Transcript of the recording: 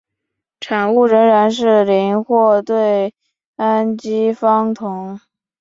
产物仍然是邻或对羟基芳酮。